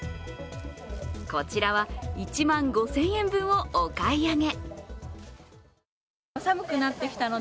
こちらは１万５０００円分をお買い上げ。